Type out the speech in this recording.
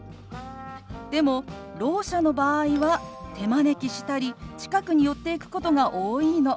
でもろう者の場合は手招きしたり近くに寄っていくことが多いの。